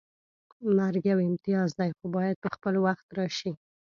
مرګ یو امتیاز دی خو باید په خپل وخت راشي